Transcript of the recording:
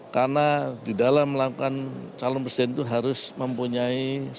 karena di dalam melakukan calon presiden itu harus mempunyai enam